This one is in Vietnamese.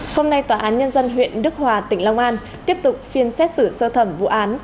hôm nay tòa án nhân dân huyện đức hòa tỉnh long an tiếp tục phiên xét xử sơ thẩm vụ án